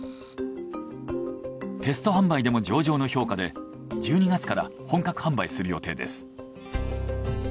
テスト販売でも上々の評価で１２月から本格販売する予定です。